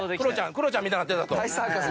クロちゃんみたいになってたと。